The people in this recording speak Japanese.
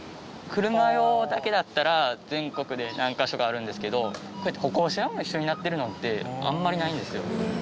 車用だけだったら全国で何カ所かあるんですけどこうやって歩行者用も一緒になってるのってあんまりないんですよ。